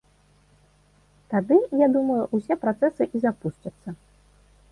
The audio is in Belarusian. Тады, я думаю, усе працэсы і запусцяцца.